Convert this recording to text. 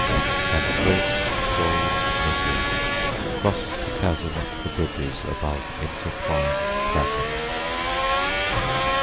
And great gold midgesCross the chasmAt the bridgesAbove intertwined plasm.